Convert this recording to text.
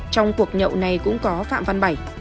trong cuộc nhậu này cũng có phạm văn bảy